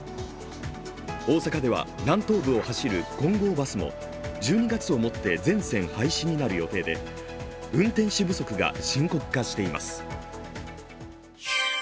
大阪では南東部を走る金剛バスも１２月をもって全線廃止になる予定で運転手不足が深刻化しています。